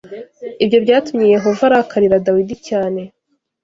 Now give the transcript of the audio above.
Ibyo byatumye Yehova arakarira Dawidi cyane.